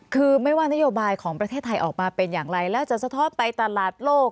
คือไม่ว่านโยบายของประเทศไทยออกมาเป็นอย่างไรแล้วจะสะท้อนไปตลาดโลก